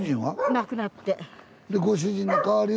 亡くなって。